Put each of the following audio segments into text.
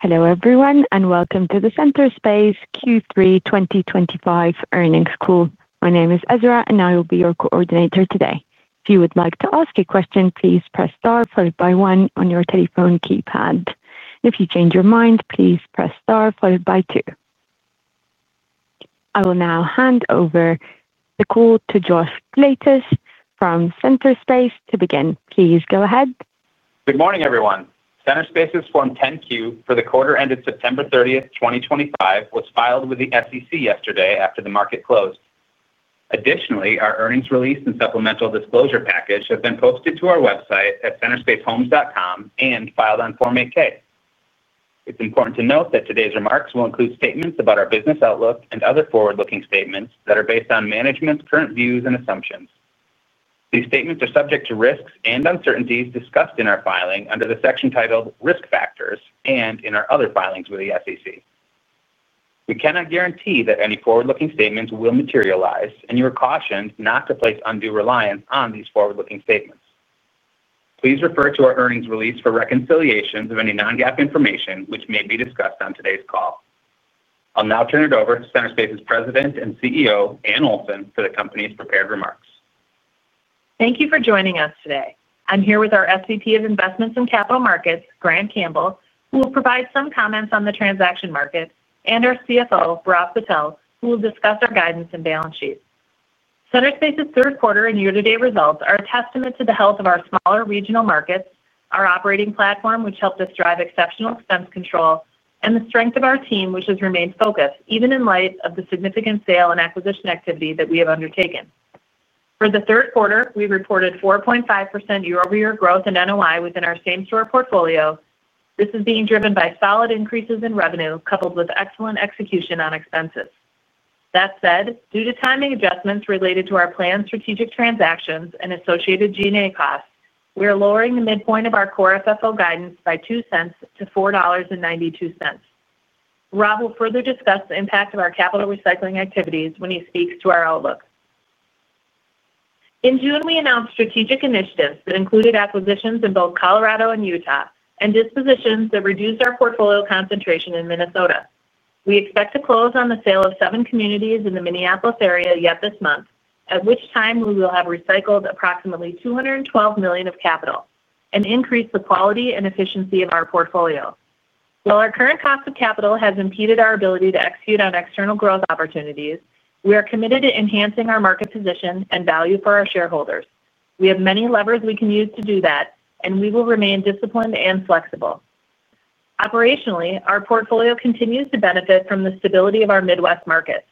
Hello everyone, and welcome to the Centerspace Q3 2025 earnings call. My name is Ezra, and I will be your coordinator today. If you would like to ask a question, please press star followed by one on your telephone keypad. If you change your mind, please press star followed by two. I will now hand over the call to Joshua Klaetsch from Centerspace to begin. Please go ahead. Good morning, everyone. Centerspace's Form 10-Q for the quarter ended September 30th, 2025, was filed with the SEC yesterday after the market closed. Additionally, our earnings release and supplemental disclosure package have been posted to our website at centerspace.com and filed on Form 8-K. It's important to note that today's remarks will include statements about our business outlook and other forward-looking statements that are based on management's current views and assumptions. These statements are subject to risks and uncertainties discussed in our filing under the section titled Risk Factors and in our other filings with the SEC. We cannot guarantee that any forward-looking statements will materialize, and you are cautioned not to place undue reliance on these forward-looking statements. Please refer to our earnings release for reconciliations of any non-GAAP information which may be discussed on today's call. I'll now turn it over to Centerspace's President and CEO, Anne Olson, for the company's prepared remarks. Thank you for joining us today. I'm here with our SVP of Investments and Capital Markets, Grant Campbell, who will provide some comments on the transaction markets, and our CFO, Bhairav Patel, who will discuss our guidance and balance sheet. Centerspace's third quarter and year-to-date results are a testament to the health of our smaller regional markets, our operating platform, which helped us drive exceptional expense control, and the strength of our team, which has remained focused even in light of the significant sale and acquisition activity that we have undertaken. For the third quarter, we reported 4.5% year-over-year growth in NOI within our same-store portfolio. This is being driven by solid increases in revenue coupled with excellent execution on expenses. That said, due to timing adjustments related to our planned strategic transactions and associated G&A costs, we are lowering the midpoint of our core FFO guidance by $0.02 to $4.92. Bhairav will further discuss the impact of our capital recycling activities when he speaks to our outlook. In June, we announced strategic initiatives that included acquisitions in both Colorado and Utah and dispositions that reduced our portfolio concentration in Minnesota. We expect to close on the sale of seven communities in the Minneapolis area yet this month, at which time we will have recycled approximately $212 million of capital and increased the quality and efficiency of our portfolio. While our current cost of capital has impeded our ability to execute on external growth opportunities, we are committed to enhancing our market position and value for our shareholders. We have many levers we can use to do that, and we will remain disciplined and flexible. Operationally, our portfolio continues to benefit from the stability of our Midwest markets.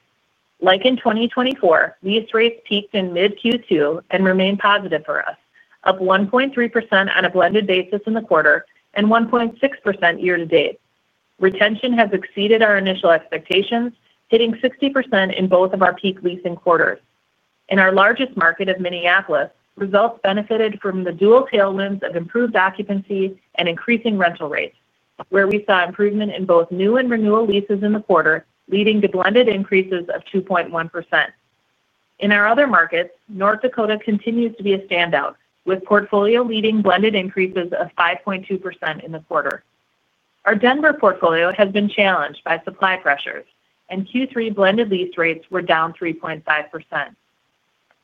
Like in 2024, lease rates peaked in mid-Q2 and remain positive for us, up 1.3% on a blended basis in the quarter and 1.6% year-to-date. Retention has exceeded our initial expectations, hitting 60% in both of our peak leasing quarters. In our largest market of Minneapolis, results benefited from the dual tailwinds of improved occupancy and increasing rental rates, where we saw improvement in both new and renewal leases in the quarter, leading to blended increases of 2.1%. In our other markets, North Dakota continues to be a standout, with portfolio leading blended increases of 5.2% in the quarter. Our Denver portfolio has been challenged by supply pressures, and Q3 blended lease rates were down 3.5%.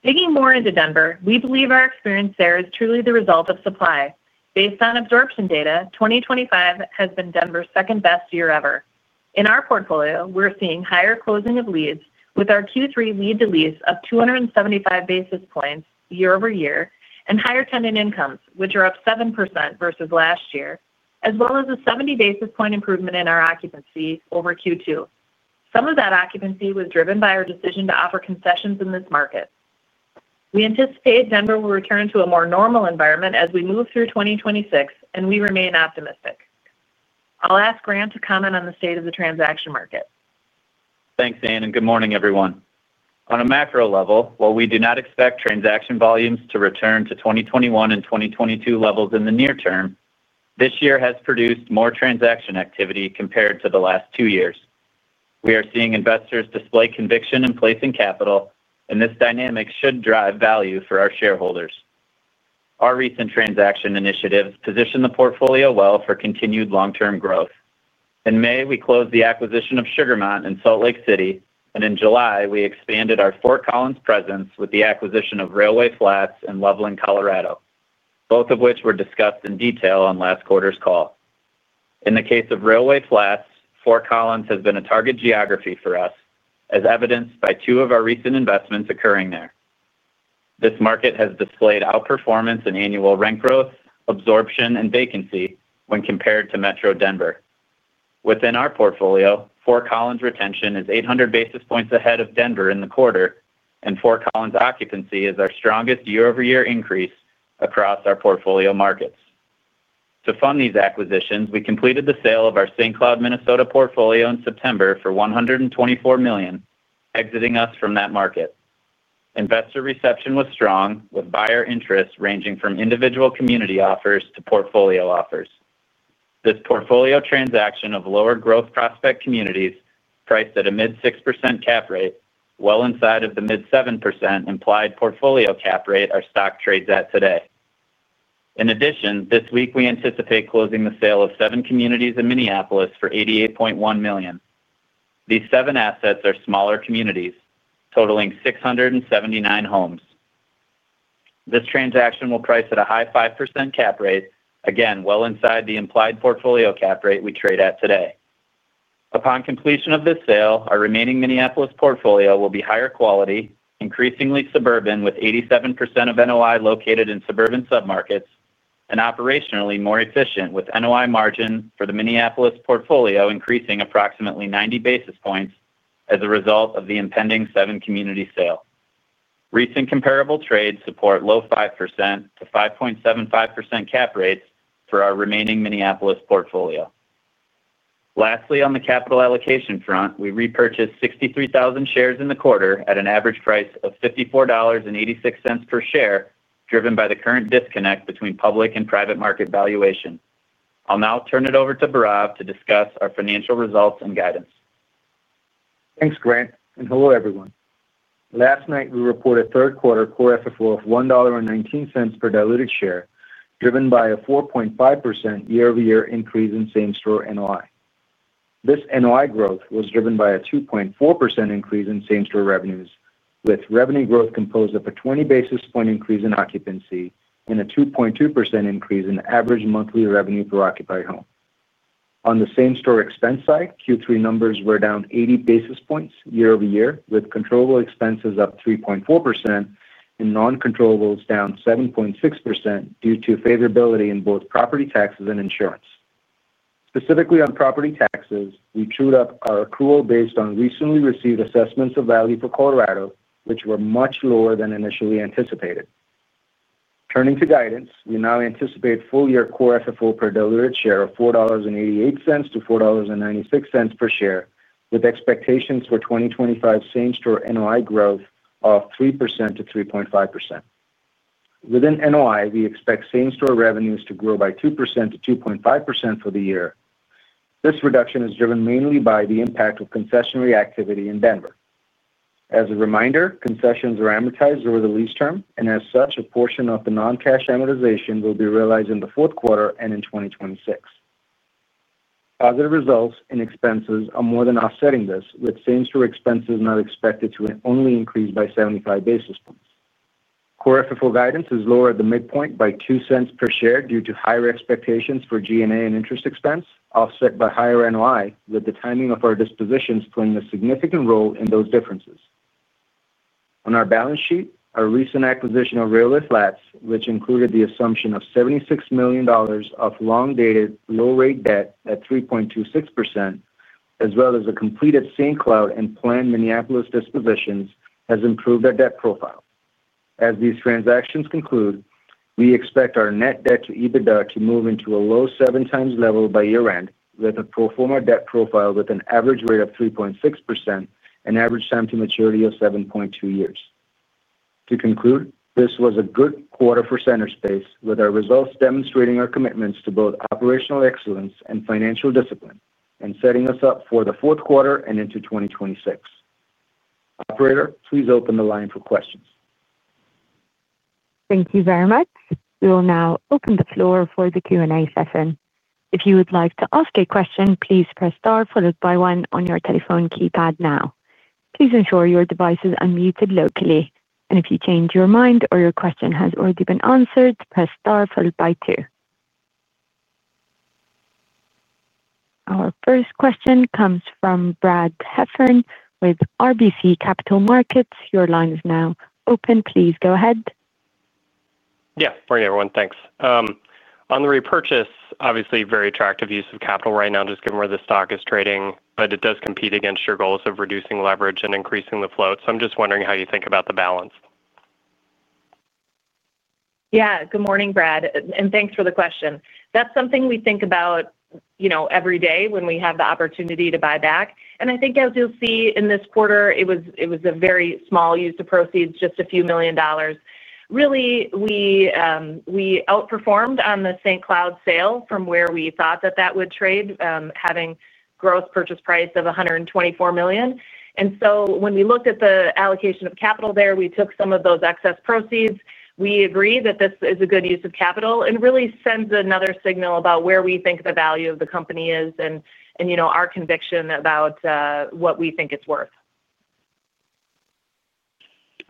Digging more into Denver, we believe our experience there is truly the result of supply. Based on absorption data, 2025 has been Denver's second-best year ever. In our portfolio, we're seeing higher closing of leads with our Q3 lead-to-lease of 275 basis points year-over-year and higher tenant incomes, which are up 7% versus last year, as well as a 70 basis point improvement in our occupancy over Q2. Some of that occupancy was driven by our decision to offer concessions in this market. We anticipate Denver will return to a more normal environment as we move through 2026, and we remain optimistic. I'll ask Grant to comment on the state of the transaction market. Thanks, Anne, and good morning, everyone. On a macro level, while we do not expect transaction volumes to return to 2021 and 2022 levels in the near term, this year has produced more transaction activity compared to the last two years. We are seeing investors display conviction in placing capital, and this dynamic should drive value for our shareholders. Our recent transaction initiatives position the portfolio well for continued long-term growth. In May, we closed the acquisition of Sugar Mount in Salt Lake City, and in July, we expanded our Fort Collins presence with the acquisition of Railway Flats in Loveland, Colorado, both of which were discussed in detail on last quarter's call. In the case of Railway Flats, Fort Collins has been a target geography for us, as evidenced by two of our recent investments occurring there. This market has displayed outperformance in annual rent growth, absorption, and vacancy when compared to Metro Denver. Within our portfolio, Fort Collins retention is 800 basis points ahead of Denver in the quarter, and Fort Collins occupancy is our strongest year-over-year increase across our portfolio markets. To fund these acquisitions, we completed the sale of our St. Cloud, Minnesota portfolio in September for $124 million, exiting us from that market. Investor reception was strong, with buyer interest ranging from individual community offers to portfolio offers. This portfolio transaction of lower-growth prospect communities, priced at a mid-6% cap rate, well inside of the mid-7% implied portfolio cap rate our stock trades at today. In addition, this week we anticipate closing the sale of seven communities in Minneapolis for $88.1 million. These seven assets are smaller communities, totaling 679 homes. This transaction will price at a high 5% cap rate, again well inside the implied portfolio cap rate we trade at today. Upon completion of this sale, our remaining Minneapolis portfolio will be higher quality, increasingly suburban with 87% of NOI located in suburban submarkets, and operationally more efficient with NOI margin for the Minneapolis portfolio increasing approximately 90 basis points as a result of the impending seven-community sale. Recent comparable trades support low 5% to 5.75% Cap Rates for our remaining Minneapolis portfolio. Lastly, on the capital allocation front, we repurchased 63,000 shares in the quarter at an average price of $54.86 per share, driven by the current disconnect between public and private market valuation. I'll now turn it over to Bhairav to discuss our financial results and guidance. Thanks, Grant, and hello everyone. Last night, we reported third-quarter core FFO of $1.19 per diluted share, driven by a 4.5% year-over-year increase in same-store NOI. This NOI growth was driven by a 2.4% increase in same-store revenues, with revenue growth composed of a 20 basis point increase in occupancy and a 2.2% increase in average monthly revenue per occupied home. On the same-store expense side, Q3 numbers were down 80 basis points year-over-year, with controllable expenses up 3.4% and non-controllables down 7.6% due to favorability in both property taxes and insurance. Specifically on property taxes, we trued up our accrual based on recently received assessments of value for Colorado, which were much lower than initially anticipated. Turning to guidance, we now anticipate full-year core FFO per diluted share of $4.88-$4.96 per share, with expectations for 2025 same-store NOI growth of 3%-3.5%. Within NOI, we expect same-store revenues to grow by 2%-2.5% for the year. This reduction is driven mainly by the impact of concessionary activity in Denver. As a reminder, concessions are amortized over the lease term, and as such, a portion of the non-cash amortization will be realized in the fourth quarter and in 2026. Positive results in expenses are more than offsetting this, with same-store expenses not expected to only increase by 75 basis points. Core FFO guidance is lower at the midpoint by $0.02 per share due to higher expectations for G&A and interest expense, offset by higher NOI, with the timing of our dispositions playing a significant role in those differences. On our balance sheet, our recent acquisition of Railway Flats, which included the assumption of $76 million of long-dated low-rate debt at 3.26%, as well as a completed St. Cloud and planned Minneapolis dispositions, has improved our debt profile. As these transactions conclude, we expect our net debt to EBITDA to move into a low seven times level by year-end, with a pro forma debt profile with an average rate of 3.6% and average time to maturity of 7.2 years. To conclude, this was a good quarter for Centerspace, with our results demonstrating our commitments to both operational excellence and financial discipline, and setting us up for the fourth quarter and into 2026. Operator, please open the line for questions. Thank you very much. We will now open the floor for the Q&A session. If you would like to ask a question, please press star followed by one on your telephone keypad now. Please ensure your device is unmuted locally, and if you change your mind or your question has already been answered, press star followed by two. Our first question comes from Brad Heffern with RBC Capital Markets. Your line is now open. Please go ahead. Yeah, morning everyone. Thanks. On the repurchase, obviously very attractive use of capital right now, just given where the stock is trading, but it does compete against your goals of reducing leverage and increasing the float. So I'm just wondering how you think about the balance. Yeah, good morning, Brad, and thanks for the question. That's something we think about every day when we have the opportunity to buy back, and I think, as you'll see in this quarter, it was a very small use of proceeds, just a few million dollars. Really, we outperformed on the St. Cloud sale from where we thought that that would trade, having gross purchase price of $124 million, and so when we looked at the allocation of capital there, we took some of those excess proceeds. We agree that this is a good use of capital and really sends another signal about where we think the value of the company is and our conviction about what we think it's worth.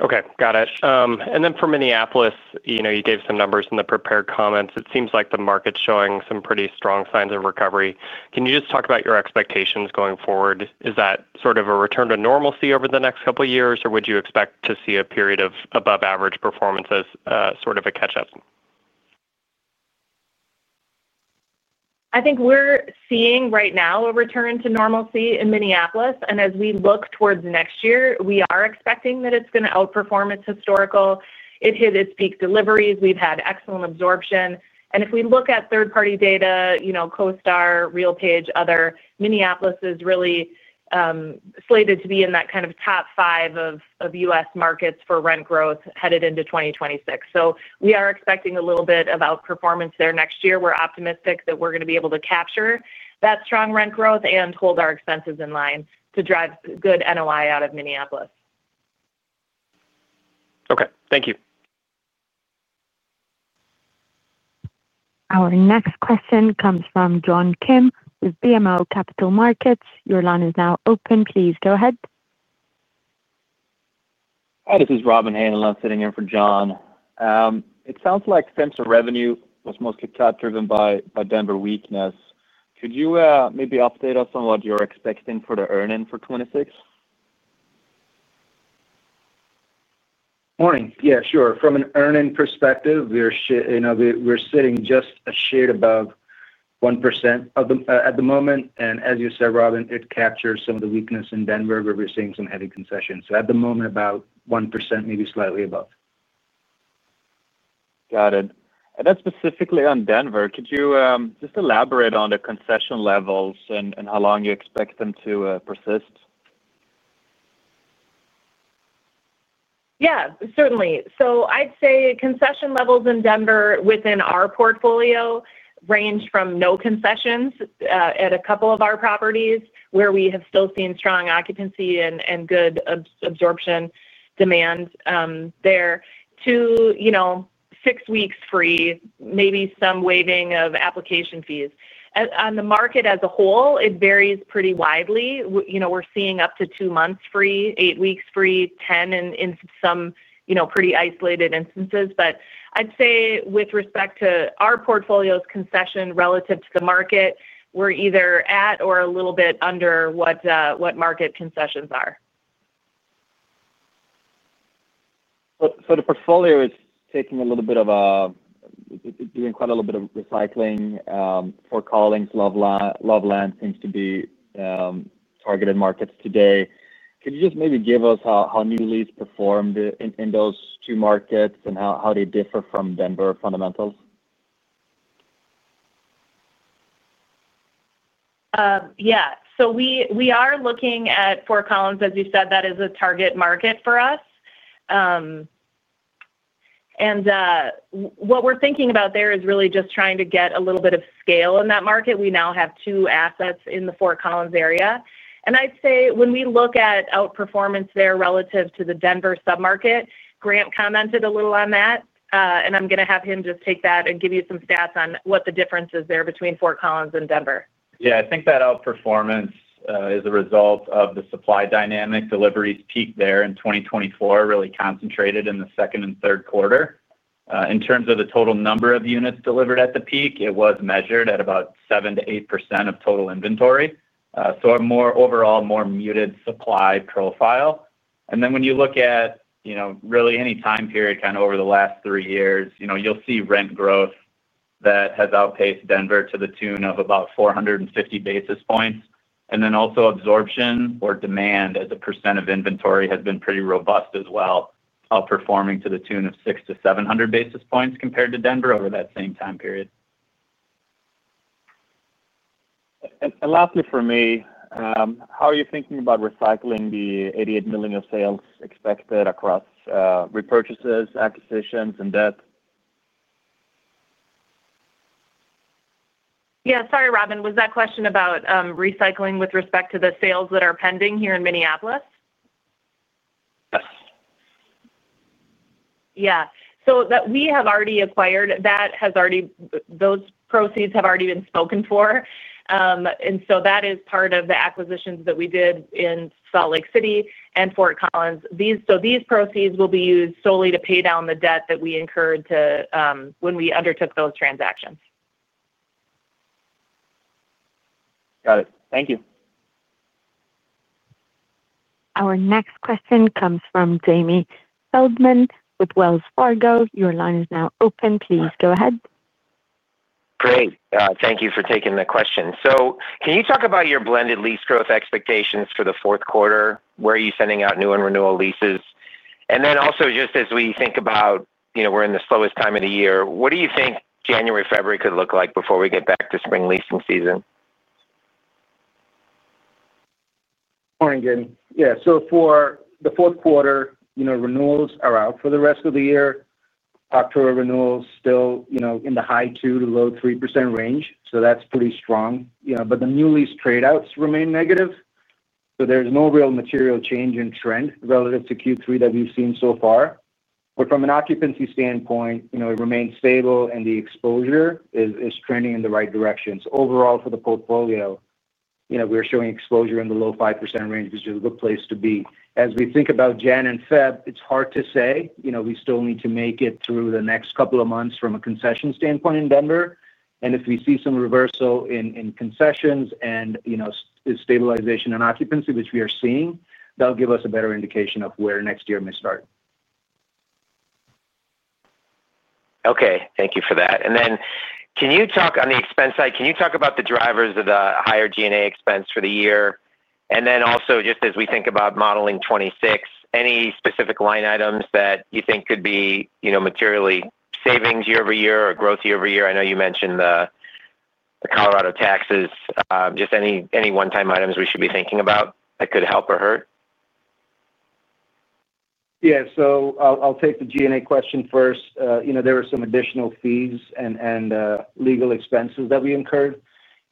Okay, got it. And then for Minneapolis, you gave some numbers in the prepared comments. It seems like the market's showing some pretty strong signs of recovery. Can you just talk about your expectations going forward? Is that sort of a return to normalcy over the next couple of years, or would you expect to see a period of above-average performance as sort of a catch-up? I think we're seeing right now a return to normalcy in Minneapolis, and as we look towards next year, we are expecting that it's going to outperform its historical. It hit its peak deliveries. We've had excellent absorption. And if we look at third-party data, CoStar, RealPage, other, Minneapolis is really slated to be in that kind of top five of U.S. markets for rent growth headed into 2026. So we are expecting a little bit of outperformance there next year. We're optimistic that we're going to be able to capture that strong rent growth and hold our expenses in line to drive good NOI out of Minneapolis. Okay, thank you. Our next question comes from John Kim with BMO Capital Markets. Your line is now open. Please go ahead. Hi, this is Robin Hanlow sitting here for John. It sounds like central revenue was mostly driven by Denver weakness. Could you maybe update us on what you're expecting for the earnings for 2026? Morning. Yeah, sure. From an earnings perspective, we're sitting just a shade above 1% at the moment. And as you said, Robin, it captures some of the weakness in Denver, where we're seeing some heavy concessions. So at the moment, about 1%, maybe slightly above. Got it. And that's specifically on Denver. Could you just elaborate on the concession levels and how long you expect them to persist? Yeah, certainly. So I'd say concession levels in Denver within our portfolio range from no concessions at a couple of our properties, where we have still seen strong occupancy and good absorption demand there to six weeks free, maybe some waiving of application fees. On the market as a whole, it varies pretty widely. We're seeing up to two months free, eight weeks free, 10 in some pretty isolated instances. But I'd say with respect to our portfolio's concession relative to the market, we're either at or a little bit under what market concessions are. So the portfolio is taking a little bit of a. Doing quite a little bit of recycling. Fort Collins, Loveland seems to be targeted markets today. Could you just maybe give us how new lease performed in those two markets and how they differ from Denver fundamentals? Yeah. So we are looking at Fort Collins, as you said. That is a target market for us. What we're thinking about there is really just trying to get a little bit of scale in that market. We now have two assets in the Fort Collins area. And I'd say when we look at outperformance there relative to the Denver submarket, Grant commented a little on that, and I'm going to have him just take that and give you some stats on what the difference is there between Fort Collins and Denver. Yeah, I think that outperformance is a result of the supply dynamic. Deliveries peaked there in 2024, really concentrated in the second and third quarter. In terms of the total number of units delivered at the peak, it was measured at about 7%-8% of total inventory. So overall, more muted supply profile. And then when you look at really any time period kind of over the last three years, you'll see rent growth that has outpaced Denver to the tune of about 450 basis points. And then also absorption or demand as a percent of inventory has been pretty robust as well, outperforming to the tune of 600-700 basis points compared to Denver over that same time period. And lastly for me, how are you thinking about recycling the $88 million of sales expected across repurchases, acquisitions, and debt? Yeah, sorry, Robin. Was that question about recycling with respect to the sales that are pending here in Minneapolis? Yes. Yeah. So that we have already acquired, those proceeds have already been spoken for. And so that is part of the acquisitions that we did in Salt Lake City and Fort Collins. So these proceeds will be used solely to pay down the debt that we incurred when we undertook those transactions. Got it. Thank you. Our next question comes from Jamie Feldman with Wells Fargo. Your line is now open. Please go ahead. Great. Thank you for taking the question. So can you talk about your blended lease growth expectations for the fourth quarter? Where are you sending out new and renewal leases? And then also just as we think about we're in the slowest time of the year, what do you think January, February could look like before we get back to spring leasing season? Morning again. Yeah. So for the fourth quarter, renewals are out for the rest of the year. October renewals are still in the high 2% to low 3% range. So that's pretty strong. But the new lease tradeouts remain negative. So there's no real material change in trend relative to Q3 that we've seen so far. But from an occupancy standpoint, it remains stable, and the exposure is trending in the right direction. So overall, for the portfolio, we're showing exposure in the low 5% range, which is a good place to be. As we think about January and February, it's hard to say. We still need to make it through the next couple of months from a concession standpoint in Denver, and if we see some reversal in concessions and stabilization in occupancy, which we are seeing, that'll give us a better indication of where next year may start. Okay. Thank you for that. And then can you talk on the expense side? Can you talk about the drivers of the higher G&A expense for the year? And then also just as we think about modeling 2026, any specific line items that you think could be materially savings year-over-year or growth year-over-year? I know you mentioned the Colorado taxes. Just any one-time items we should be thinking about that could help or hurt? Yeah. So I'll take the G&A question first. There were some additional fees and legal expenses that we incurred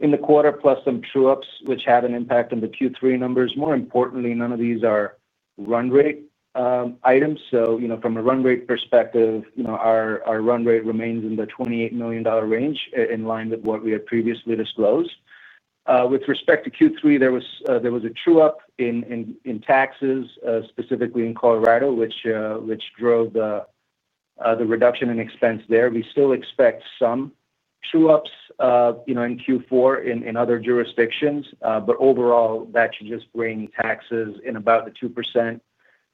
in the quarter, plus some true-ups, which had an impact on the Q3 numbers. More importantly, none of these are run rate items. So from a run rate perspective, our run rate remains in the $28 million range, in line with what we had previously disclosed. With respect to Q3, there was a true-up in taxes, specifically in Colorado, which drove the reduction in expense there. We still expect some true-ups in Q4 in other jurisdictions, but overall, that should just bring taxes in about the 2%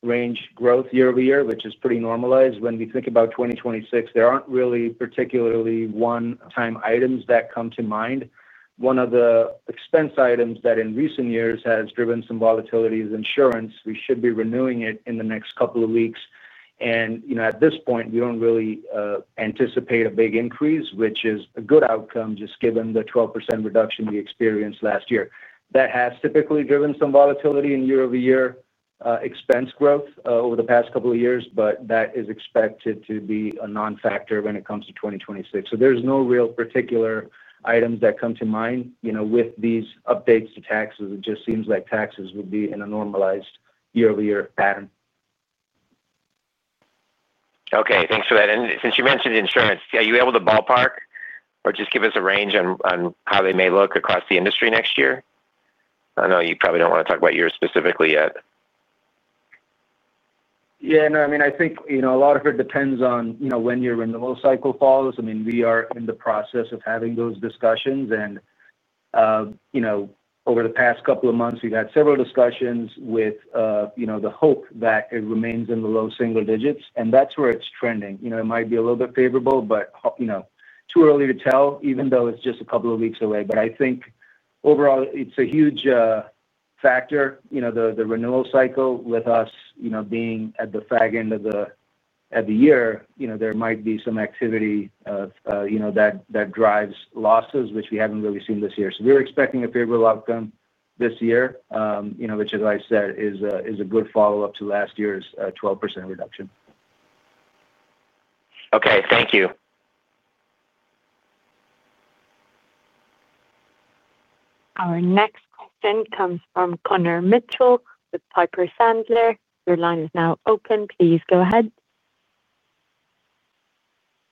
range growth year-over-year, which is pretty normalized. When we think about 2026, there aren't really particularly one-time items that come to mind. One of the expense items that in recent years has driven some volatility is insurance. We should be renewing it in the next couple of weeks. And at this point, we don't really anticipate a big increase, which is a good outcome, just given the 12% reduction we experienced last year. That has typically driven some volatility in year-over-year expense growth over the past couple of years, but that is expected to be a non-factor when it comes to 2026. So there's no real particular items that come to mind with these updates to taxes. It just seems like taxes would be in a normalized year-over-year pattern. Okay. Thanks for that. And since you mentioned insurance, are you able to ballpark or just give us a range on how they may look across the industry next year? I know you probably don't want to talk about yours specifically yet. Yeah. No, I mean, I think a lot of it depends on when your renewal cycle falls. I mean, we are in the process of having those discussions. And over the past couple of months, we've had several discussions with the hope that it remains in the low single digits. And that's where it's trending. It might be a little bit favorable, but too early to tell, even though it's just a couple of weeks away. But I think overall, it's a huge factor. The renewal cycle, with us being at the fag end of the year, there might be some activity that drives losses, which we haven't really seen this year. So we're expecting a favorable outcome this year, which, as I said, is a good follow-up to last year's 12% reduction. Okay. Thank you. Our next question comes from Conor Mitchell with Piper Sandler. Your line is now open. Please go ahead.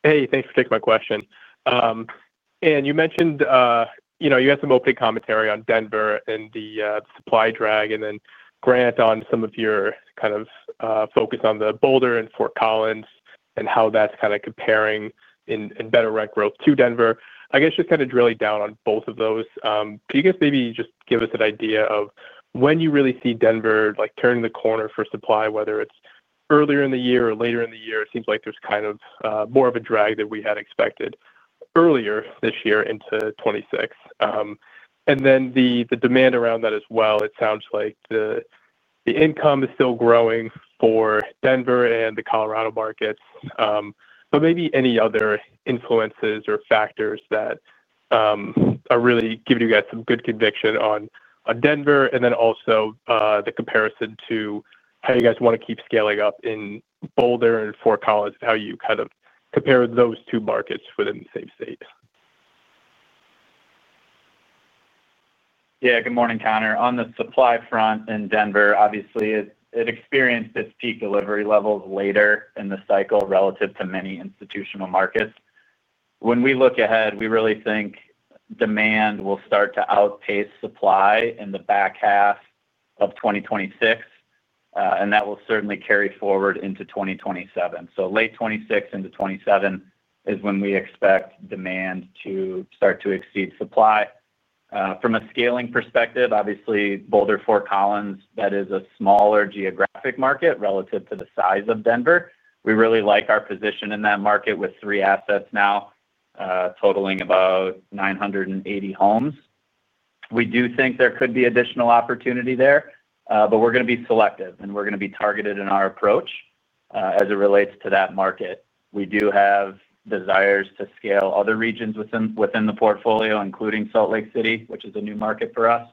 Hey, thanks for taking my question. And you mentioned you had some opening commentary on Denver and the supply drag, and then Grant on some of your kind of focus on the Boulder and Fort Collins and how that's kind of comparing in better rent growth to Denver. I guess just kind of drilling down on both of those. Could you guys maybe just give us an idea of when you really see Denver turning the corner for supply, whether it's earlier in the year or later in the year? It seems like there's kind of more of a drag than we had expected earlier this year into 2026. And then the demand around that as well, it sounds like the income is still growing for Denver and the Colorado markets. But maybe any other influences or factors that are really giving you guys some good conviction on Denver, and then also the comparison to how you guys want to keep scaling up in Boulder and Fort Collins, how you kind of compare those two markets within the same state. Yeah. Good morning, Conor. On the supply front in Denver, obviously, it experienced its peak delivery levels later in the cycle relative to many institutional markets. When we look ahead, we really think demand will start to outpace supply in the back half of 2026, and that will certainly carry forward into 2027, so late 2026 into 2027 is when we expect demand to start to exceed supply. From a scaling perspective, obviously, Boulder, Fort Collins, that is a smaller geographic market relative to the size of Denver. We really like our position in that market with three assets now, totaling about 980 homes. We do think there could be additional opportunity there, but we're going to be selective, and we're going to be targeted in our approach as it relates to that market. We do have desires to scale other regions within the portfolio, including Salt Lake City, which is a new market for us,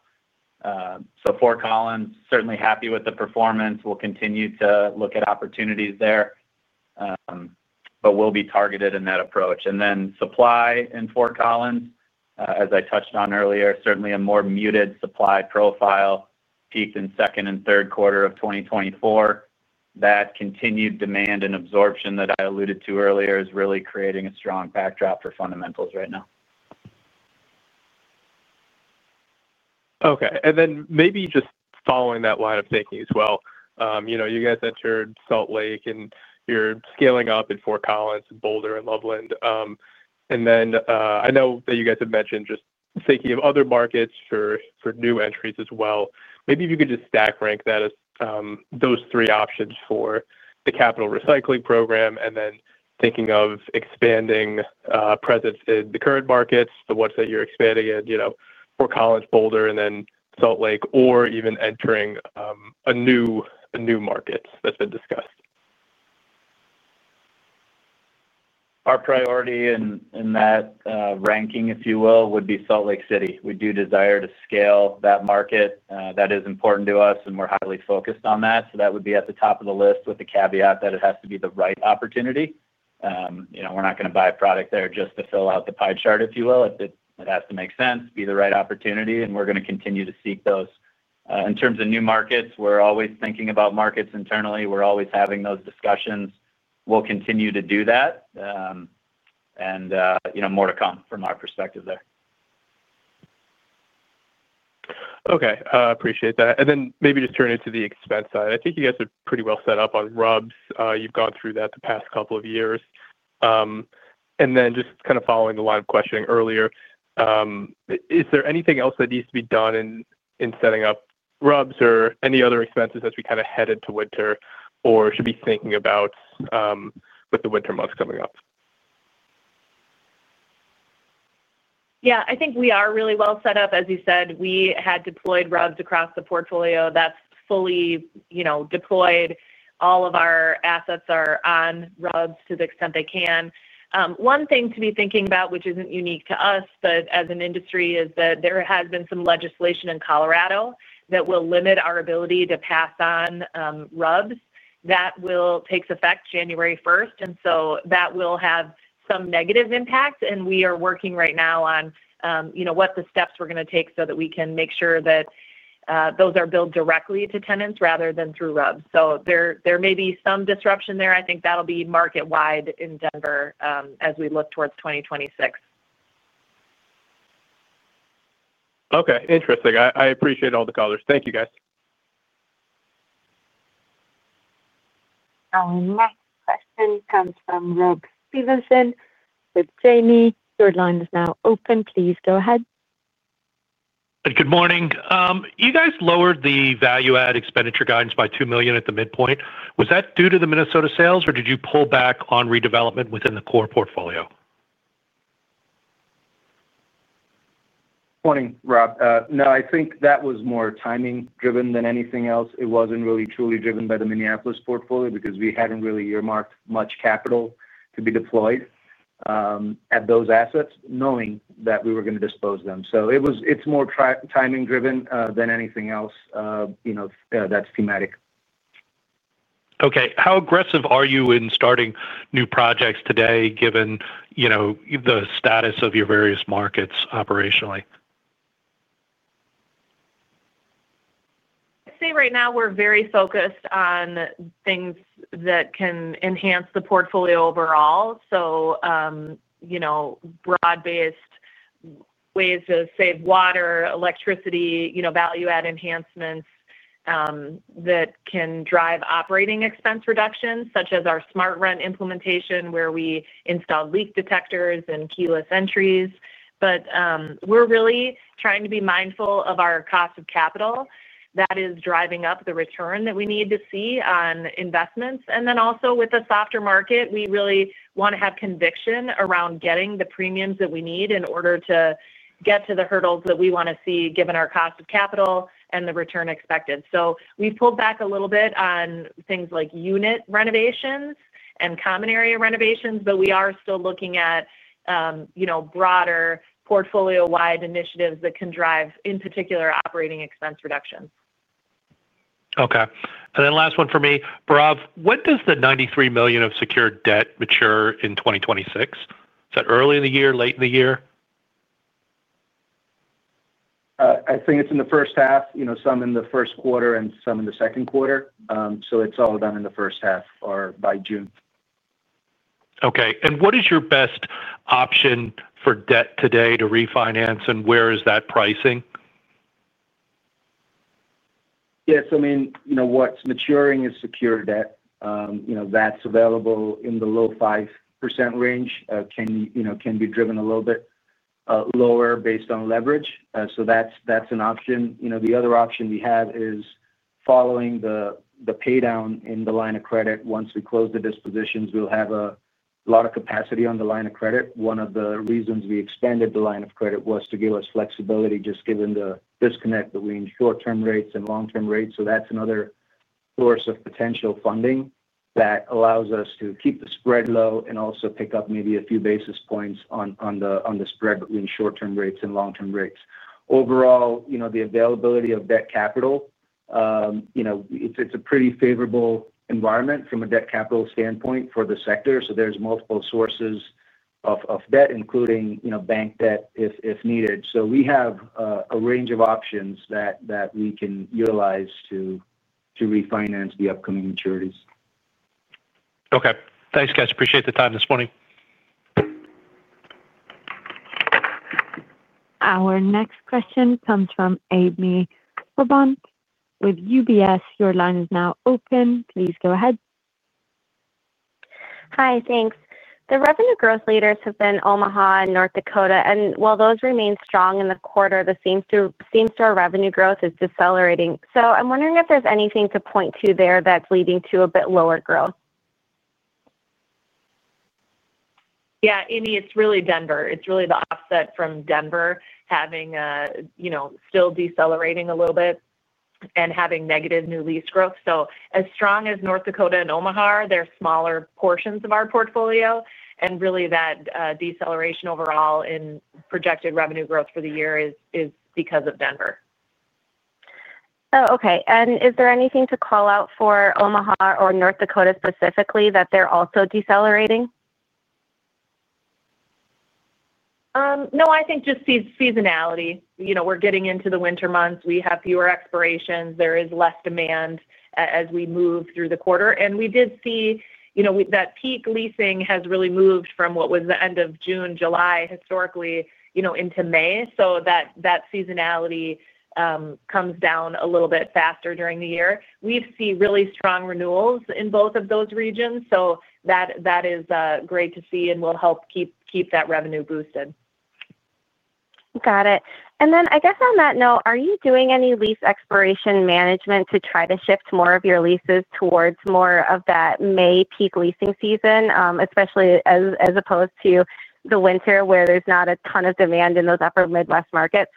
so Fort Collins, certainly happy with the performance. We'll continue to look at opportunities there, but we'll be targeted in that approach, and then supply in Fort Collins, as I touched on earlier, certainly a more muted supply profile peaked in second and third quarter of 2024. That continued demand and absorption that I alluded to earlier is really creating a strong backdrop for fundamentals right now. Okay. And then maybe just following that line of thinking as well, you guys entered Salt Lake City, and you're scaling up in Fort Collins, Boulder, and Loveland. And then I know that you guys have mentioned just thinking of other markets for new entries as well. Maybe if you could just stack rank those three options for the capital recycling program, and then thinking of expanding presence in the current markets, the ones that you're expanding in, Fort Collins, Boulder, and then Salt Lake City, or even entering a new market that's been discussed. Our priority in that ranking, if you will, would be Salt Lake City. We do desire to scale that market. That is important to us, and we're highly focused on that, so that would be at the top of the list with the caveat that it has to be the right opportunity. We're not going to buy a product there just to fill out the pie chart, if you will. It has to make sense, be the right opportunity, and we're going to continue to seek those. In terms of new markets, we're always thinking about markets internally. We're always having those discussions. We'll continue to do that, and more to come from our perspective there. Okay. Appreciate that, and then maybe just turning to the expense side. I think you guys are pretty well set up on RUBS. You've gone through that the past couple of years, and then just kind of following the line of questioning earlier. Is there anything else that needs to be done in setting up RUBS or any other expenses as we kind of head into winter or should be thinking about with the winter months coming up? Yeah. I think we are really well set up. As you said, we had deployed RUBS across the portfolio. That's fully deployed. All of our assets are on RUBS to the extent they can. One thing to be thinking about, which isn't unique to us, but as an industry, is that there has been some legislation in Colorado that will limit our ability to pass on RUBS. That takes effect January 1st, and so that will have some negative impact, and we are working right now on what the steps we're going to take so that we can make sure that those are billed directly to tenants rather than through RUBS. So there may be some disruption there. I think that'll be market-wide in Denver as we look towards 2026. Okay. Interesting. I appreciate all the callers. Thank you, guys. Our next question comes from Rob Stevenson with Janney Montgomery Scott. Your line is now open. Please go ahead. Good morning. You guys lowered the value-add expenditure guidance by $2 million at the midpoint. Was that due to the Minnesota sales, or did you pull back on redevelopment within the core portfolio? Morning, Rob. No, I think that was more timing-driven than anything else. It wasn't really truly driven by the Minneapolis portfolio because we hadn't really earmarked much capital to be deployed at those assets, knowing that we were going to dispose of them. So it's more timing-driven than anything else. That's thematic. Okay. How aggressive are you in starting new projects today, given the status of your various markets operationally? I'd say right now, we're very focused on things that can enhance the portfolio overall. So, broad-based ways to save water, electricity, value-add enhancements that can drive operating expense reductions, such as our smart rent implementation, where we install leak detectors and keyless entries. But we're really trying to be mindful of our cost of capital. That is driving up the return that we need to see on investments. And then also with the softer market, we really want to have conviction around getting the premiums that we need in order to get to the hurdles that we want to see, given our cost of capital and the return expected. So we've pulled back a little bit on things like unit renovations and common area renovations, but we are still looking at broader portfolio-wide initiatives that can drive, in particular, operating expense reductions. Okay. And then last one for me. Rob, when does the $93 million of secured debt mature in 2026? Is that early in the year, late in the year? I think it's in the first half, some in the first quarter, and some in the second quarter. So it's all done in the first half or by June. Okay, and what is your best option for debt today to refinance, and where is that pricing? Yeah. So I mean, what's maturing is secured debt. That's available in the low 5% range. Can be driven a little bit lower based on leverage. So that's an option. The other option we have is following the paydown in the line of credit. Once we close the dispositions, we'll have a lot of capacity on the line of credit. One of the reasons we expanded the line of credit was to give us flexibility, just given the disconnect between short-term rates and long-term rates. So that's another source of potential funding that allows us to keep the spread low and also pick up maybe a few basis points on the spread between short-term rates and long-term rates. Overall, the availability of debt capital. It's a pretty favorable environment from a debt capital standpoint for the sector. So there's multiple sources of debt, including bank debt if needed. So we have a range of options that we can utilize to refinance the upcoming maturities. Okay. Thanks, guys. Appreciate the time this morning. Our next question comes from Amy Clermont with UBS. Your line is now open. Please go ahead. Hi. Thanks. The revenue growth leaders have been Omaha and North Dakota. And while those remain strong in the quarter, the same-store revenue growth is decelerating. So I'm wondering if there's anything to point to there that's leading to a bit lower growth. Yeah. Amy, it's really Denver. It's really the offset from Denver having still decelerating a little bit and having negative new lease growth. So as strong as North Dakota and Omaha, they're smaller portions of our portfolio. And really, that deceleration overall in projected revenue growth for the year is because of Denver. Oh, okay. And is there anything to call out for Omaha or North Dakota specifically that they're also decelerating? No, I think just seasonality. We're getting into the winter months. We have fewer expirations. There is less demand as we move through the quarter, and we did see that peak leasing has really moved from what was the end of June, July, historically, into May, so that seasonality comes down a little bit faster during the year. We've seen really strong renewals in both of those regions, so that is great to see and will help keep that revenue boosted. Got it. And then I guess on that note, are you doing any lease expiration management to try to shift more of your leases towards more of that May peak leasing season, especially as opposed to the winter where there's not a ton of demand in those upper Midwest markets?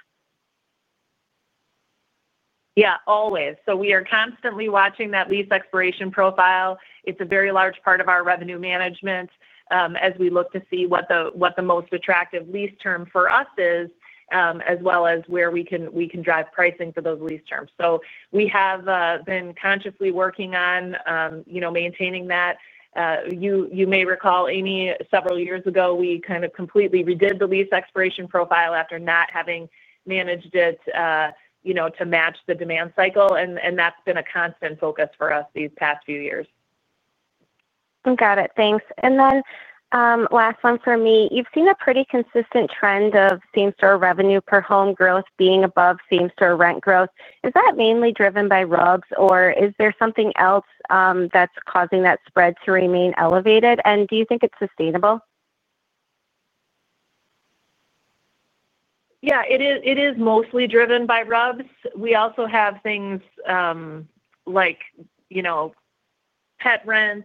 Yeah, always. So we are constantly watching that lease expiration profile. It's a very large part of our revenue management. As we look to see what the most attractive lease term for us is, as well as where we can drive pricing for those lease terms, so we have been consciously working on maintaining that. You may recall, Amy, several years ago we kind of completely redid the lease expiration profile after not having managed it to match the demand cycle, and that's been a constant focus for us these past few years. Got it. Thanks. And then last one for me. You've seen a pretty consistent trend of same-store revenue per home growth being above same-store rent growth. Is that mainly driven by RUBS, or is there something else that's causing that spread to remain elevated? And do you think it's sustainable? Yeah, it is mostly driven by RUBS. We also have things like pet rent.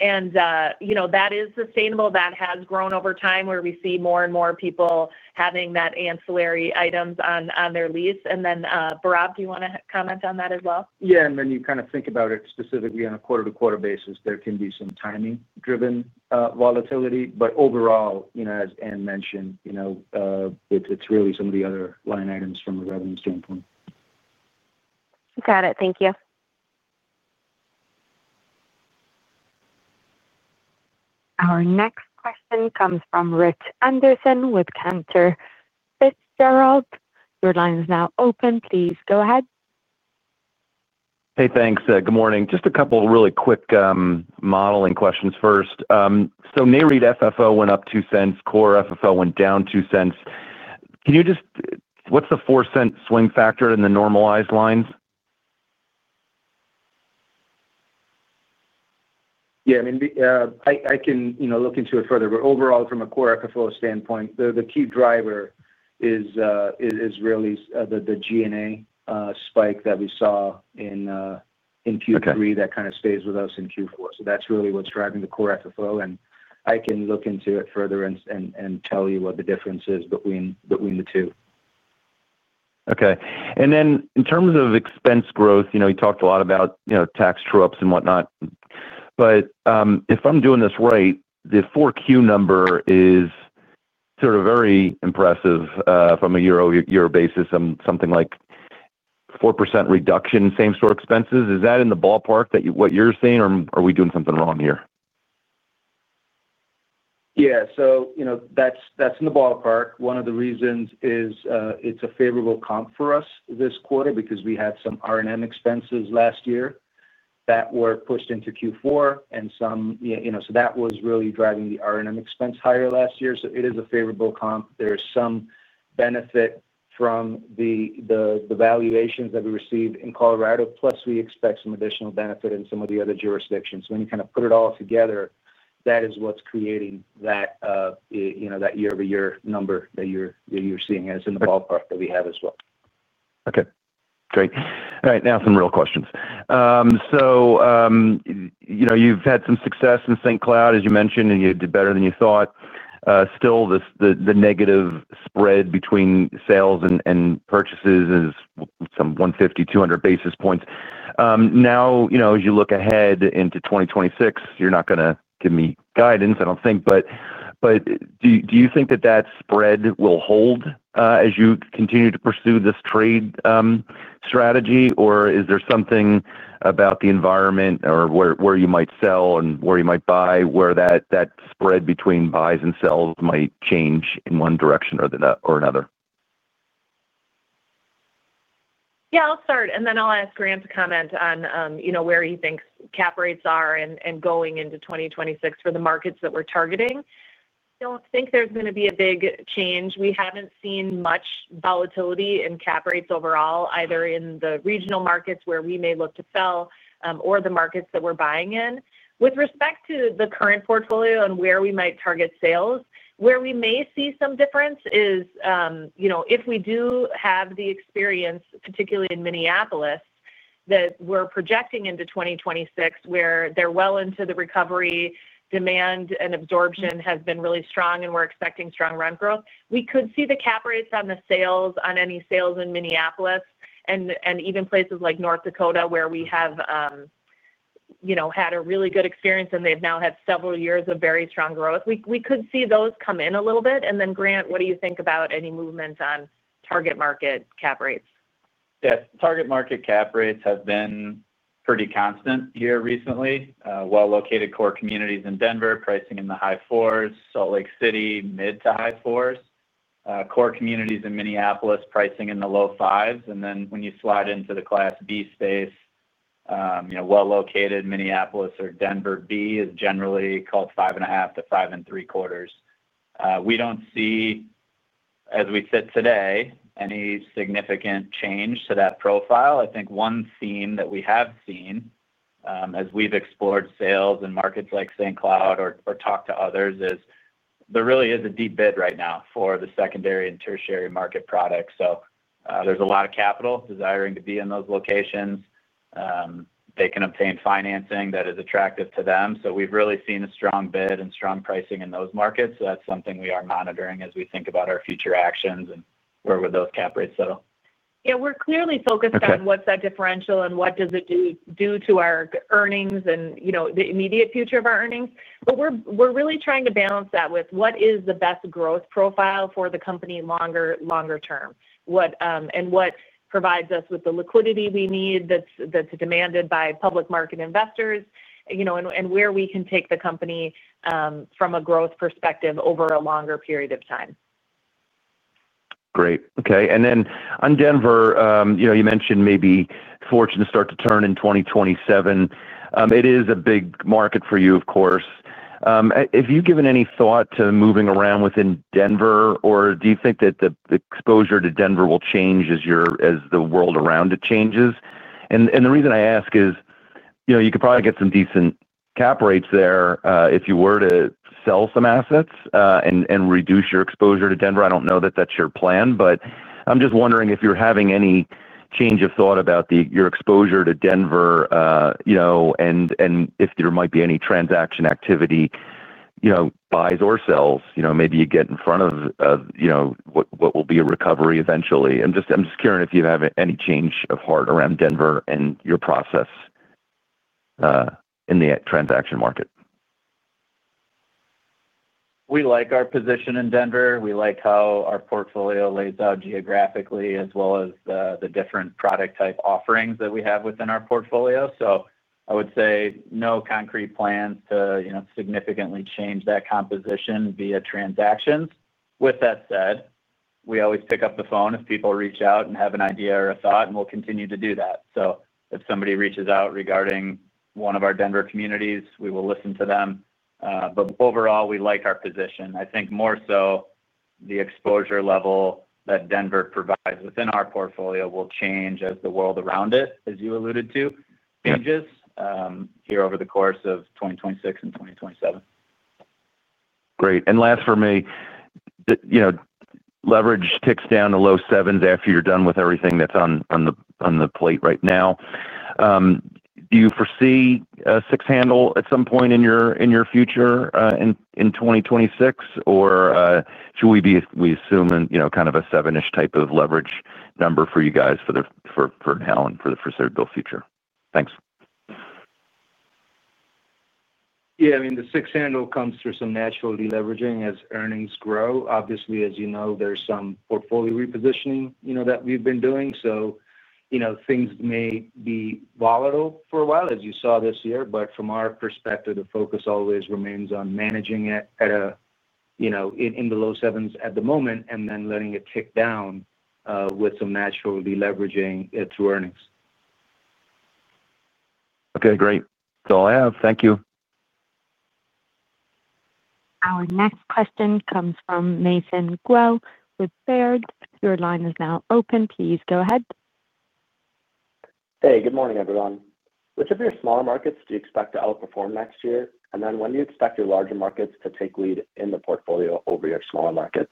And that is sustainable. That has grown over time where we see more and more people having that ancillary items on their lease. And then, Bhairav, do you want to comment on that as well? Yeah, and then you kind of think about it specifically on a quarter-to-quarter basis. There can be some timing-driven volatility, but overall, as Anne mentioned, it's really some of the other line items from a revenue standpoint. Got it. Thank you. Our next question comes from Rich Anderson with Cantor Fitzgerald. Your line is now open. Please go ahead. Hey, thanks. Good morning. Just a couple of really quick modeling questions first. So NAREIT FFO went up $0.02. Core FFO went down $0.02. Can you just—what's the $0.04 swing factor in the normalized lines? Yeah. I mean, I can look into it further. But overall, from a Core FFO standpoint, the key driver is really the G&A spike that we saw in Q3 that kind of stays with us in Q4. So that's really what's driving the Core FFO. And I can look into it further and tell you what the difference is between the two. Okay. And then in terms of expense growth, you talked a lot about tax rates and whatnot. But if I'm doing this right, the 4Q number is sort of very impressive from a year-over-year basis and something like 4% reduction in same-store expenses. Is that in the ballpark of what you're seeing, or are we doing something wrong here? Yeah. So that's in the ballpark. One of the reasons is it's a favorable comp for us this quarter because we had some R&M expenses last year that were pushed into Q4 and so that was really driving the R&M expense higher last year. So it is a favorable comp. There is some benefit from the valuations that we receive in Colorado. Plus, we expect some additional benefit in some of the other jurisdictions. When you kind of put it all together, that is what's creating that year-over-year number that you're seeing, and it's in the ballpark that we have as well. Okay. Great. All right. Now, some real questions. So. You've had some success in St. Cloud, as you mentioned, and you did better than you thought. Still, the negative spread between sales and purchases is some 150-200 basis points. Now, as you look ahead into 2026, you're not going to give me guidance, I don't think. But. Do you think that that spread will hold as you continue to pursue this trade strategy? Or is there something about the environment or where you might sell and where you might buy, where that spread between buys and sells might change in one direction or another? Yeah. I'll start, and then I'll ask Grant to comment on where he thinks Cap Rates are and going into 2026 for the markets that we're targeting. I don't think there's going to be a big change. We haven't seen much volatility in Cap Rates overall, either in the regional markets where we may look to sell or the markets that we're buying in. With respect to the current portfolio and where we might target sales, where we may see some difference is if we do have the experience, particularly in Minneapolis, that we're projecting into 2026, where they're well into the recovery, demand, and absorption has been really strong, and we're expecting strong rent growth, we could see the Cap Rates on any sales in Minneapolis and even places like North Dakota, where we have had a really good experience, and they've now had several years of very strong growth. We could see those come in a little bit. And then, Grant, what do you think about any movement on target market Cap Rates? Yeah. Target market Cap Rates have been pretty constant here recently. Well-located core communities in Denver, pricing in the high fours. Salt Lake City, mid- to high-fours. Core communities in Minneapolis, pricing in the low fives. And then when you slide into the Class B space. Well-located Minneapolis or Denver B is generally called five and a half to five and three quarters. We don't see. As we sit today, any significant change to that profile. I think one theme that we have seen. As we've explored sales in markets like St. Cloud or talked to others, is there really is a deep bid right now for the secondary and tertiary market products. So there's a lot of capital desiring to be in those locations. They can obtain financing that is attractive to them. So we've really seen a strong bid and strong pricing in those markets. So that's something we are monitoring as we think about our future actions and where would those Cap Rates settle. Yeah. We're clearly focused on what's that differential and what does it do to our earnings and the immediate future of our earnings. But we're really trying to balance that with what is the best growth profile for the company longer term. And what provides us with the liquidity we need that's demanded by public market investors and where we can take the company. From a growth perspective over a longer period of time. Great. Okay. And then on Denver, you mentioned maybe fortunes to start to turn in 2027. It is a big market for you, of course. Have you given any thought to moving around within Denver, or do you think that the exposure to Denver will change as the world around it changes? And the reason I ask is. You could probably get some decent Cap Rates there if you were to sell some assets and reduce your exposure to Denver. I don't know that that's your plan, but I'm just wondering if you're having any change of thought about your exposure to Denver. And if there might be any transaction activity. Buys or sells. Maybe you get in front of. What will be a recovery eventually. I'm just curious if you have any change of heart around Denver and your presence. In the transaction market. We like our position in Denver. We like how our portfolio lays out geographically, as well as the different product-type offerings that we have within our portfolio. So I would say no concrete plans to significantly change that composition via transactions. With that said, we always pick up the phone if people reach out and have an idea or a thought, and we'll continue to do that. So if somebody reaches out regarding one of our Denver communities, we will listen to them. But overall, we like our position. I think more so the exposure level that Denver provides within our portfolio will change as the world around it, as you alluded to, changes. Here over the course of 2026 and 2027. Great, and last for me. Leverage ticks down to low sevens after you're done with everything that's on the plate right now. Do you foresee a six-handle at some point in your future, in 2026, or should we assume kind of a seven-ish type of leverage number for you guys for long term for the foreseeable future? Thanks. Yeah. I mean, the six-handle comes through some natural deleveraging as earnings grow. Obviously, as you know, there's some portfolio repositioning that we've been doing. So things may be volatile for a while, as you saw this year. But from our perspective, the focus always remains on managing it. In the low sevens at the moment and then letting it tick down. With some natural deleveraging through earnings. Okay. Great. That's all I have. Thank you. Our next question comes from Mason Guell with Baird. Your line is now open. Please go ahead. Hey, good morning, everyone. Which of your smaller markets do you expect to outperform next year, and then when do you expect your larger markets to take the lead in the portfolio over your smaller markets?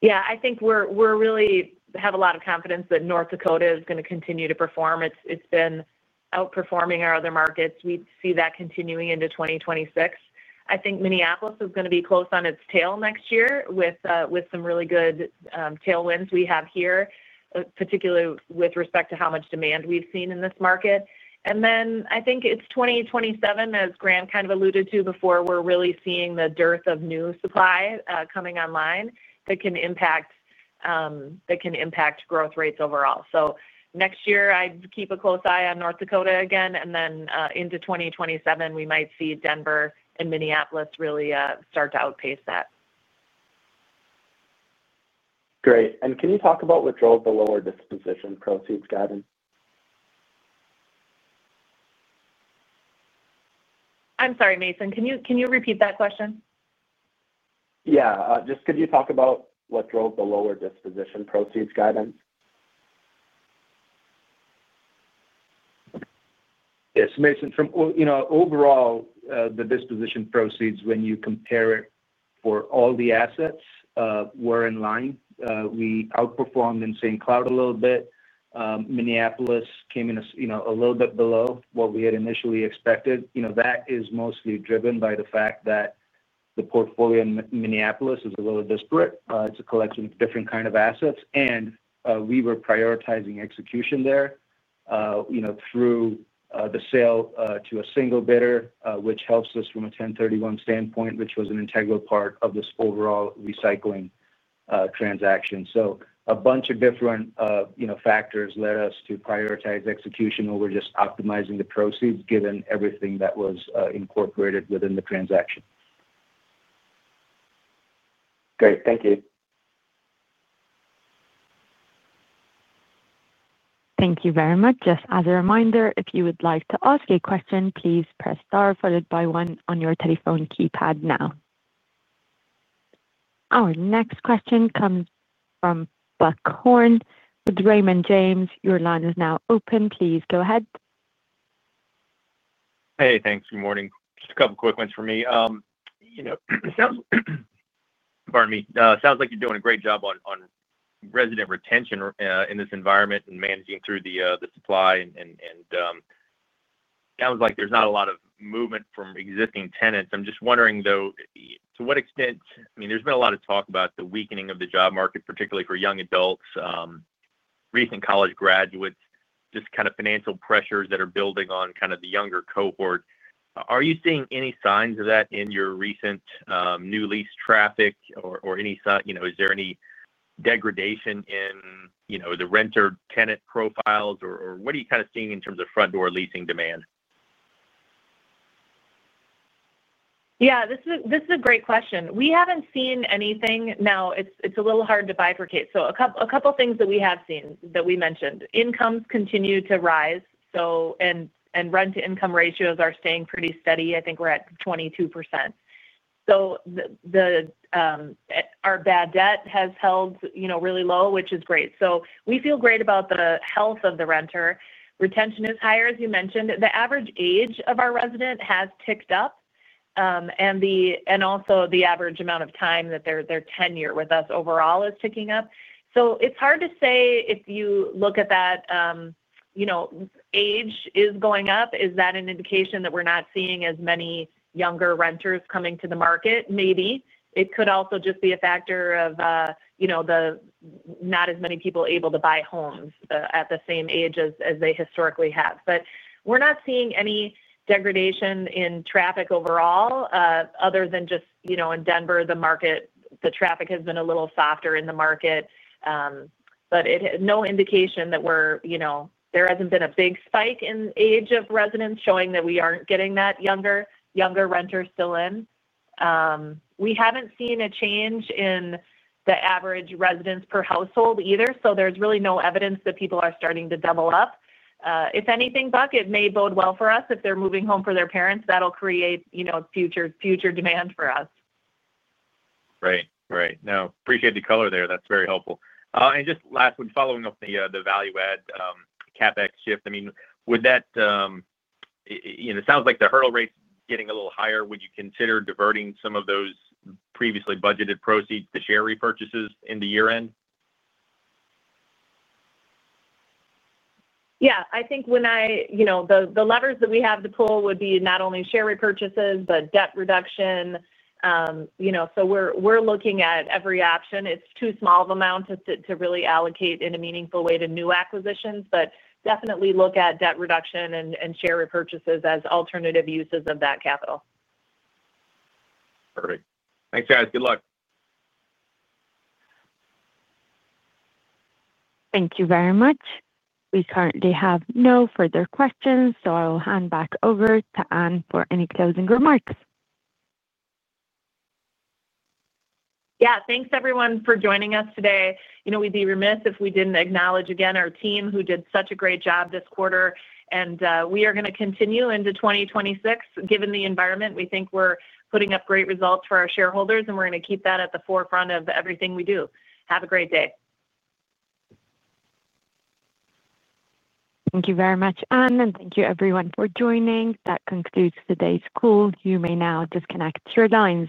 Yeah. I think we really have a lot of confidence that North Dakota is going to continue to perform. It's been outperforming our other markets. We see that continuing into 2026. I think Minneapolis is going to be close on its tail next year with some really good tailwinds we have here, particularly with respect to how much demand we've seen in this market. And then I think it's 2027, as Grant kind of alluded to before, we're really seeing the dearth of new supply coming online that can impact growth rates overall. So next year, I'd keep a close eye on North Dakota again. And then into 2027, we might see Denver and Minneapolis really start to outpace that. Great. And can you talk about what drove the lower disposition proceeds guidance? I'm sorry, Mason. Can you repeat that question? Yeah. Just could you talk about what drove the lower disposition proceeds guidance? Yes. Mason, overall, the disposition proceeds, when you compare it for all the assets, were in line. We outperformed in St. Cloud a little bit. Minneapolis came in a little bit below what we had initially expected. That is mostly driven by the fact that the portfolio in Minneapolis is a little disparate. It's a collection of different kinds of assets. And we were prioritizing execution there. Through the sale to a single bidder, which helps us from a 1031 standpoint, which was an integral part of this overall recycling transaction. So a bunch of different factors led us to prioritize execution over just optimizing the proceeds given everything that was incorporated within the transaction. Great. Thank you. Thank you very much. Just as a reminder, if you would like to ask a question, please press star followed by one on your telephone keypad now. Our next question comes from Buck Horne with Raymond James. Your line is now open. Please go ahead. Hey, thanks. Good morning. Just a couple of quick ones for me. Pardon me. Sounds like you're doing a great job on resident retention in this environment and managing through the supply. Sounds like there's not a lot of movement from existing tenants. I'm just wondering, though, to what extent, I mean, there's been a lot of talk about the weakening of the job market, particularly for young adults. Recent college graduates, just kind of financial pressures that are building on kind of the younger cohort. Are you seeing any signs of that in your recent new lease traffic, or is there any degradation in the renter-tenant profiles? Or what are you kind of seeing in terms of front-door leasing demand? Yeah. This is a great question. We haven't seen anything. Now, it's a little hard to bifurcate. So a couple of things that we have seen that we mentioned. Incomes continue to rise, and rent-to-income ratios are staying pretty steady. I think we're at 22%. So, our bad debt has held really low, which is great. So we feel great about the health of the renter. Retention is higher, as you mentioned. The average age of our resident has ticked up, and also the average amount of time that their tenure with us overall is ticking up. So it's hard to say if you look at that. Age is going up. Is that an indication that we're not seeing as many younger renters coming to the market? Maybe. It could also just be a factor of not as many people able to buy homes at the same age as they historically have, but we're not seeing any degradation in traffic overall, other than just in Denver, the traffic has been a little softer in the market, but no indication that there hasn't been a big spike in age of residents showing that we aren't getting that younger renter still in. We haven't seen a change in the average residents per household either. So there's really no evidence that people are starting to double up. If anything, Buck, it may bode well for us. If they're moving home for their parents, that'll create future demand for us. Right. Right. No. Appreciate the color there. That's very helpful. And just last one, following up the value-add CapEx shift. I mean, would that. It sounds like the hurdle rate's getting a little higher. Would you consider diverting some of those previously budgeted proceeds to share repurchases in the year-end? Yeah. I think when I, the levers that we have to pull would be not only share repurchases, but debt reduction. So we're looking at every option. It's too small of an amount to really allocate in a meaningful way to new acquisitions, but definitely look at debt reduction and share repurchases as alternative uses of that capital. Perfect. Thanks, guys. Good luck. Thank you very much. We currently have no further questions, so I will hand back over to Anne for any closing remarks. Yeah. Thanks, everyone, for joining us today. We'd be remiss if we didn't acknowledge again our team who did such a great job this quarter. And we are going to continue into 2026. Given the environment, we think we're putting up great results for our shareholders, and we're going to keep that at the forefront of everything we do. Have a great day. Thank you very much, Anne, and thank you, everyone, for joining. That concludes today's call. You may now disconnect your lines.